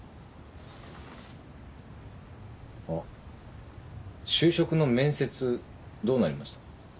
あっ就職の面接どうなりました？